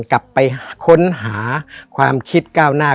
กลับไปค้นหาความคิดก้าวหน้า